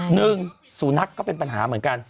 หนึ่งสูนักก็เป็นปัญหาเหมือนกัน